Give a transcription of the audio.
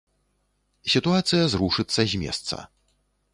Сітуацыя зрушыцца з месца.